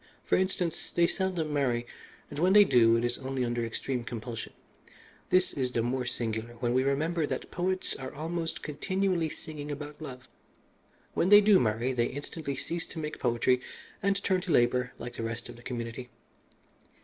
For instance, they seldom marry, and when they do it is only under extreme compulsion. This is the more singular when we remember that poets are almost continually singing about love. When they do marry they instantly cease to make poetry and turn to labour like the rest of the community.